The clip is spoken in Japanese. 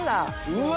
うわ！